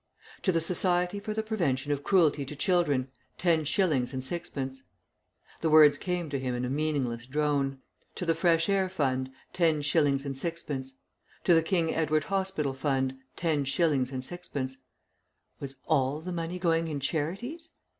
"To the Society for the Prevention of Cruelty to Children, ten shillings and sixpence" the words came to him in a meaningless drone "to the Fresh Air Fund, ten shillings and sixpence; to the King Edward Hospital Fund, ten shillings and sixpence" was all the money going in charities?